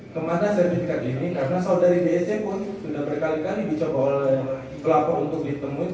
kepada sertifikat ini karena saudari bsd pun sudah berkali kali dicoba oleh pelapor untuk ditemui